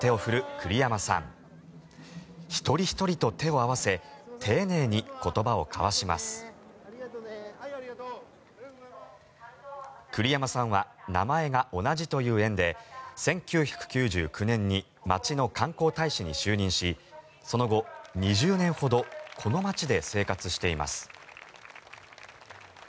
栗山さんは名前が同じという縁で１９９９年に町の観光大使に就任しその後２０年ほどこの町で生活しています。